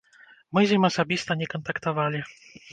Мы з ім асабіста не кантактавалі.